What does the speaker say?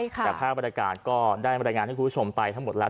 แต่ภาพบรรยากาศก็ได้บรรยายงานให้คุณผู้ชมไปทั้งหมดแล้ว